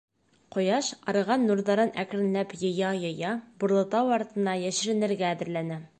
Ҡояш, арыған нурҙарын әкренләп йыя-йыя, Бурлытау артына йәшеренергә әҙерләнә.